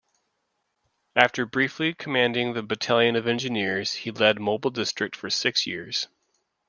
After briefly commanding the Battalion of Engineers, he led Mobile District for six years.